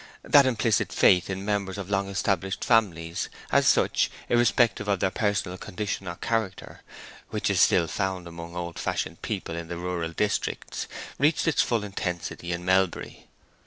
That implicit faith in members of long established families, as such, irrespective of their personal condition or character, which is still found among old fashioned people in the rural districts reached its full intensity in Melbury.